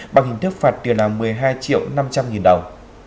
bằng hình thức phạt tiền là một mươi hai triệu năm trăm linh nghìn đồng